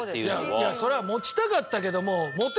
いやそれは持ちたかったけども。